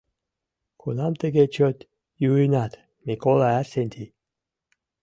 — Кунам тыге чот йӱынат, Миколай Арсентий?